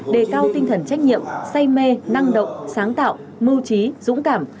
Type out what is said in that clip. đề cao tinh thần trách nhiệm say mê năng động sáng tạo mưu trí dũng cảm